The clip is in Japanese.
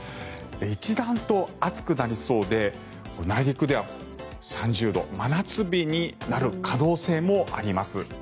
一段と暑くなりそうで内陸では３０度、真夏日になる可能性もあります。